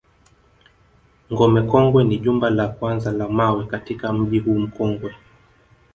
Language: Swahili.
Ngome Kongwe ni jumba la kwanza la mawe katika mji huu mkongwe